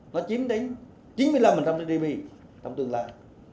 nó chiếm đến chín mươi năm đề bì trong tương lai